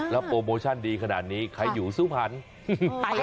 แล้วโปรโมชั่นดีขนาดนี้ใครอยู่สุพรรณ